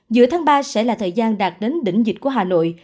giữa tháng ba sẽ là thời gian đạt đến đỉnh dịch của hà nội